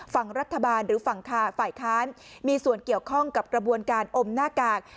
ฝั่งรัฐบาลหรือฝั่งฝ่ายค้านมีส่วนเกี่ยวข้องกับกระบวนการอมหน้ากาก